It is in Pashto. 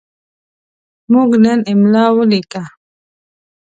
موږ نن املا ولیکه.